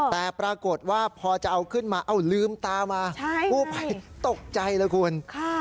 แต่ปรากฏว่าพอจะเอาขึ้นมาเอ้าลืมตามากู้ภัยตกใจเลยคุณ